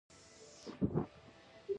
ایا موږ یو افغان یو؟